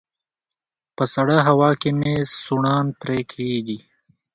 په سړه هوا کې مې سوڼان پرې کيږي